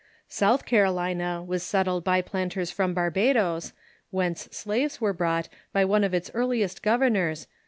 *' South Carolina was settled by planters from Barbadoes, whence slaves were brought by one of its earliest governors.